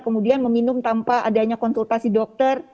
kemudian meminum tanpa adanya konsultasi dokter